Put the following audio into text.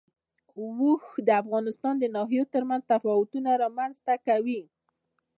اوښ د افغانستان د ناحیو ترمنځ تفاوتونه رامنځ ته کوي.